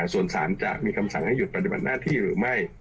ส่วนสารจะมีคำสั่งให้หยุดปฏิบัติหน้าที่หรือไม่